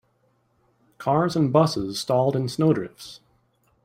Cars and busses stalled in snow drifts.